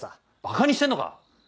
ばかにしてんのか！